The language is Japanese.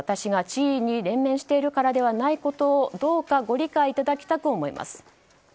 これは私が地位に連綿しているからではないことをどうかご理解いただきたく思います。